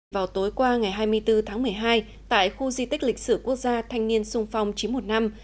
vào tối qua ngày hai mươi bốn tháng một mươi hai tại khu di tích lịch sử quốc gia thanh niên xuân phong chín mươi một năm